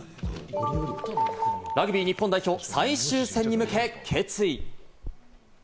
ラグビー日本代表、最終戦に向け決意。